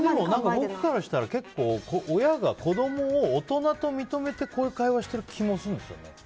僕からしたら、結構親が子供を大人と認めてこういう会話をしている気もするんですね。